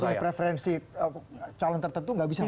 bisa nampak preferensi calon tertentu tidak bisa menangin